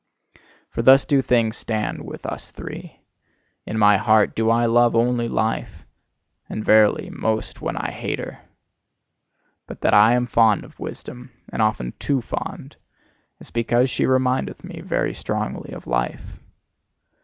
For thus do things stand with us three. In my heart do I love only Life and verily, most when I hate her! But that I am fond of Wisdom, and often too fond, is because she remindeth me very strongly of Life!